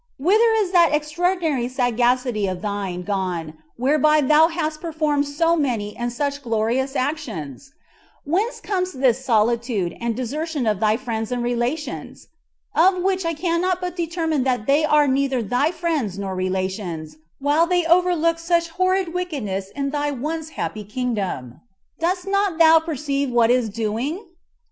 Whither is that extraordinary sagacity of thine gone whereby thou hast performed so many and such glorious actions? Whence comes this solitude, and desertion of thy friends and relations? Of which I cannot but determine that they are neither thy friends nor relations, while they overlook such horrid wickedness in thy once happy kingdom. Dost not thou perceive what is doing?